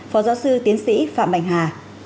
phó giáo sư tiến sĩ phạm bành hà